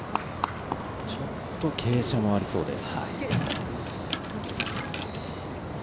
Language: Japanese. ちょっと傾斜もありそうです。